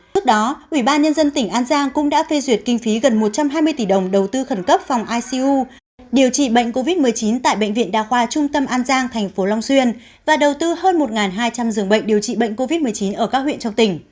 trước đó ủy ban nhân dân tỉnh an giang cũng đã phê duyệt kinh phí gần một trăm hai mươi tỷ đồng đầu tư khẩn cấp phòng icu điều trị bệnh covid một mươi chín tại bệnh viện đa khoa trung tâm an giang thành phố long xuyên và đầu tư hơn một hai trăm linh giường bệnh điều trị bệnh covid một mươi chín ở các huyện trong tỉnh